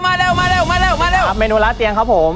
เมนูล้าเตียงครับผม